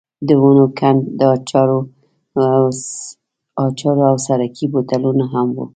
د ونو کنډ، د اچارو او سرکې بوتلونه هم وو.